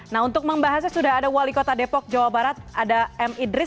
nah untuk membahasnya sudah ada wali kota depok jawa barat ada m idris